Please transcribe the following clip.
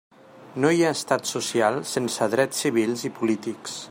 No hi ha estat social sense drets civils i polítics.